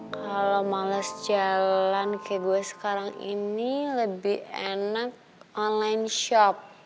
kalau males jalan kayak gue sekarang ini lebih enak online shop